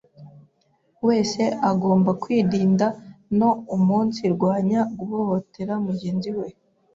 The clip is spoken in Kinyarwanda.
wese agomba kwirinda no umunsirwanya guhohotera mugenzi we